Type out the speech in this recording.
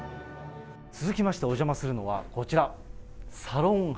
続きましてお邪魔するのは、こちら、サロン